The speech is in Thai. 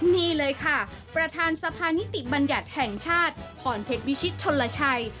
นี่เลยค่ะประธานสภานิติบัญญัติแห่งชาติพรเพชรวิชิตชนลชัย